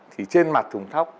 thì trên mặt thùng thóc